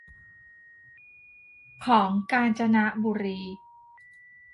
ของกาญจนบุรี